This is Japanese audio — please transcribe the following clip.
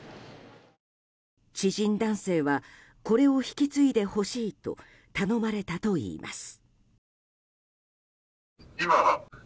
知人男性はこれを引き継いでほしいと頼まれたといいます。